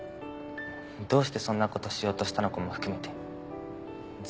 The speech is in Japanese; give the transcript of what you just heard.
どうしてそんな事しようとしたのかも含めて全部。